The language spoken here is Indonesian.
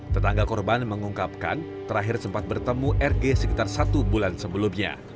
tetangga korban mengungkapkan terakhir sempat bertemu rg sekitar satu bulan sebelumnya